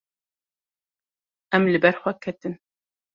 Em li ber xwe ketin.